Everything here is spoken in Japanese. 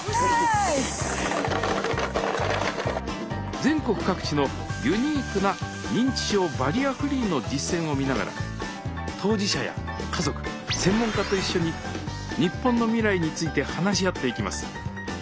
全国各地のユニークな認知症バリアフリーの実践を見ながら当事者や家族専門家と一緒に日本の未来について話し合っていきます。